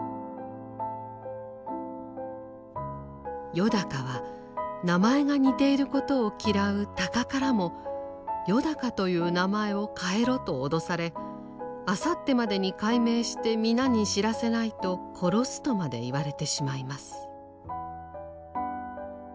よだかは名前が似ていることを嫌う鷹からも「よだかという名前を変えろ」と脅され「あさってまでに改名して皆に知らせないと殺す」とまで言われてしまいます。